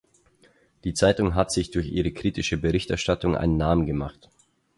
Die Zeitung hat sich durch ihre kritische Berichterstattung einen Namen gemacht.